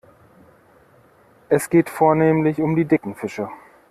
Es geht vornehmlich um die dicken Fische.